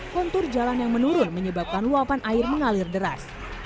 kontur jalan yang menurun menyebabkan luapan air mengalir deras